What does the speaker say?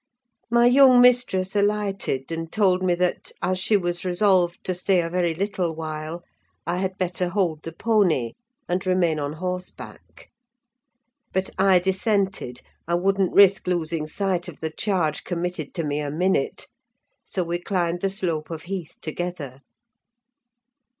My young mistress alighted, and told me that, as she was resolved to stay a very little while, I had better hold the pony and remain on horseback; but I dissented: I wouldn't risk losing sight of the charge committed to me a minute; so we climbed the slope of heath together.